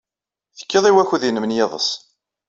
Tekkid i wakud-nnem n yiḍes.